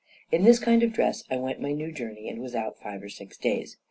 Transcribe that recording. In this kind of dress I went my new journey, and was out five or six days.